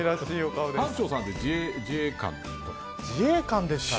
艦長さんって自衛官ですか。